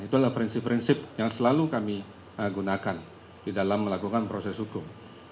itulah prinsip prinsip yang selalu kami gunakan di dalam melakukan proses hukum